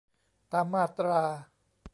ตามมาตรา